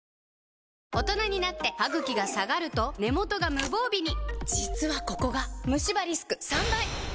大人になってハグキが下がると根元が無防備に実はここがムシ歯リスク３倍！